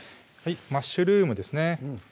マッシュルームですね